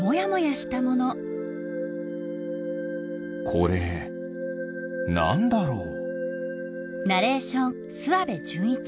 これなんだろう？